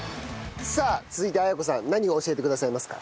さあ続いて文子さん何を教えてくださいますか？